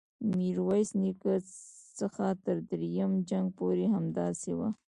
د میرویس نیکه څخه تر دریم جنګ پورې همداسې وه.